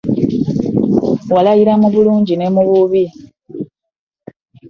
Walayira mu bulungi ne mu bubi.